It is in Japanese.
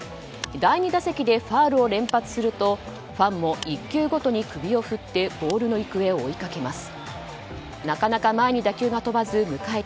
第２打席でファウルを連発するとファンも１球ごとに首を振ってボールの行方を追いかけます。